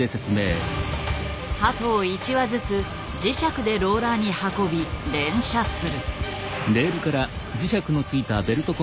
鳩を１羽ずつ磁石でローラーに運び連射する。